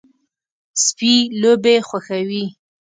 سپي لوبې خوښوي.